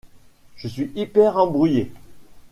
Je suis hyper embrouillé.